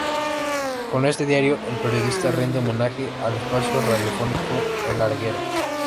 Con este diario, el periodista rinde homenaje al espacio radiofónico El Larguero.